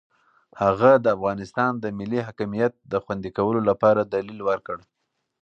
هغه د افغانستان د ملي حاکمیت د خوندي کولو لپاره دلیل ورکړ.